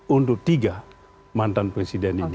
untuk tiga mantan presiden ini